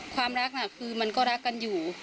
ความรักน่ะคือมันก็รักกันอยู่